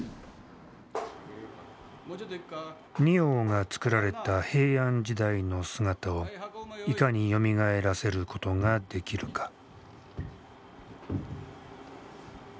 仁王がつくられた平安時代の姿をいかによみがえらせることができるか。